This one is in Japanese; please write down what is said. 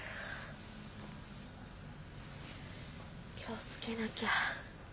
気を付けなきゃ。